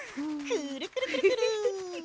くるくるくるくる。